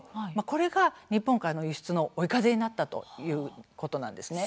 これが日本からの輸出の追い風になったということなんですね。